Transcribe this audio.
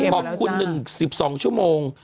ครบคุณนึง๑๒ชั่วโมง